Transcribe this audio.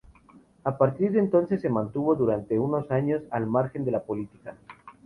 A partir de entonces, se mantuvo durante unos años al margen de la política.